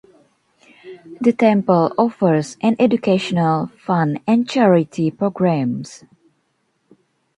The temple offers an educational fund and charity programs.